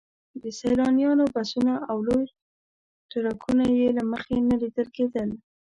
د سیلانیانو بسونه او لوی ټرکونه یې مخې ته لیدل کېدل.